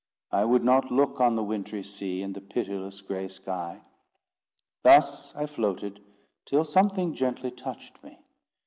I would not look on the wintry sea, and the pitiless gray sky. Thus I floated, till something gently touched me.